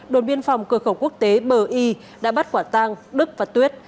đồn biên phòng cửa khẩu quốc tế bờ y đã bắt quả tang đức và tuyết